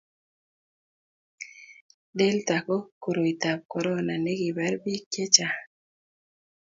delta ko koroitab korona ne kibar biik che chang'